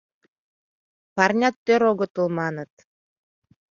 Парнят тӧр огытыл, маныт.